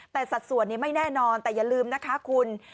แต่สัดส่วนนี้ไม่แน่นอนแต่อย่าลืมนะคะคุณ